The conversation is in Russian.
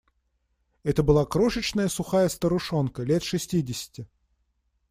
Это была крошечная, сухая старушонка, лет шестидесяти.